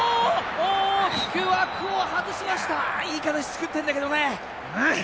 大きく枠を外しましたいい形作ってんだけどねあーっ！